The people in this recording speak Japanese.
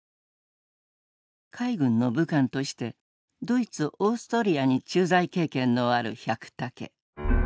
海軍の武官としてドイツオーストリアに駐在経験のある百武。